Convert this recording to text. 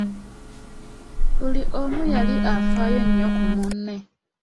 Buli omu yali afaayo nnyo ku munne .